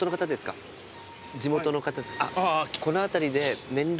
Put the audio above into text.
この辺りで。